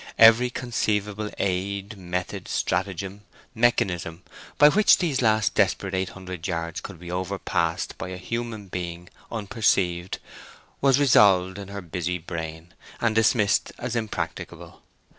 Every conceivable aid, method, stratagem, mechanism, by which these last desperate eight hundred yards could be overpassed by a human being unperceived, was revolved in her busy brain, and dismissed as impracticable.